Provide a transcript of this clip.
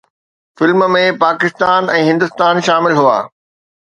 film ۾ Pakistan ۽ Hindustan شامل هئا